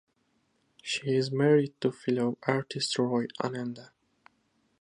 She is married to fellow artist Roy Ananda.